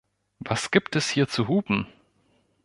Was gibt es hier zu hupen?